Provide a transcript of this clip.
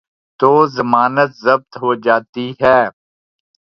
تو ضمانت ضبط ہو جاتی ہے۔